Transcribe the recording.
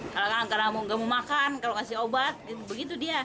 karena gak mau makan kalau kasih obat begitu dia